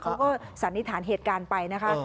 สันนิษฐานเหตุการณ์ไปนะคะ